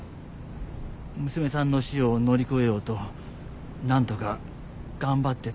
娘さんの死を乗り越えようと何とか頑張ってたみたいですけど。